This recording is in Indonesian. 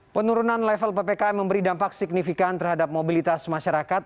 penurunan level ppkm memberi dampak signifikan terhadap mobilitas masyarakat